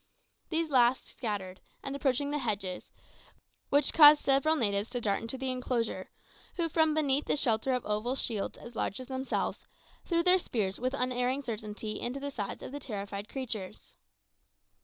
These last scattered, and approached the hedges; which caused several natives to dart into the enclosure, who from beneath the shelter of oval shields as large as themselves, threw their spears with unerring certainty into the sides of the terrified creatures.